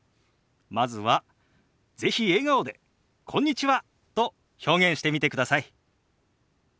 まずは是非笑顔で「こんにちは」と表現してみてください。